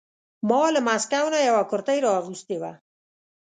ما له مسکو نه یوه کرتۍ را اغوستې وه.